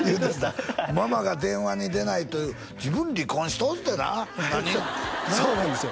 ママが電話に出ないと自分離婚しといてな何そうなんですよ